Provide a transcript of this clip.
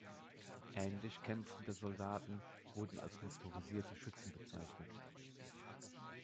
Ähnlich kämpfende Soldaten wurden als "motorisierte Schützen" bezeichnet.